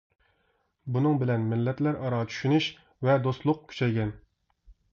بۇنىڭ بىلەن مىللەتلەر ئارا چۈشىنىش ۋە دوستلۇق كۈچەيگەن.